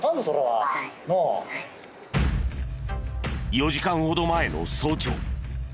４時間ほど前の早朝。